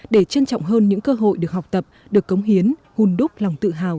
để trân trọng hơn những cơ hội được học tập được cống hiến hùn đúc lòng tự hào tự tôn dân tộc